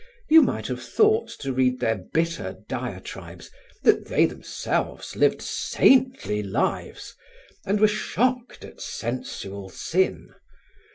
You might have thought to read their bitter diatribes that they themselves lived saintly lives, and were shocked at sensual sin.